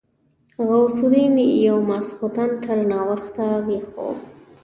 غوث الدين يو ماخستن تر ناوخته ويښ و.